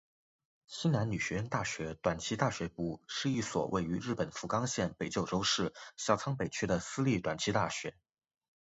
西南女学院大学短期大学部是一所位于日本福冈县北九州市小仓北区的私立短期大学。